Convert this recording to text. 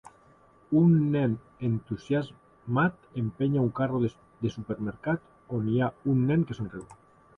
Un nen entusiasmat empenya un carro de supermercat on hi ha un nen que somriu.